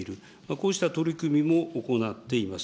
こうした取り組みも行っています。